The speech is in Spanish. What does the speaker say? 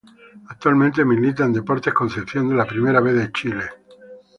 Actualmente milita en Deportes Concepción de la Primera B de Chile.